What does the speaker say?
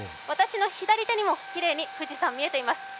私の左手にもきれいに富士山、見えています。